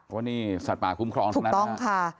เพราะนี่สัตว์ป่าคุ้มครองทั้งนั้นถูกต้องค่ะ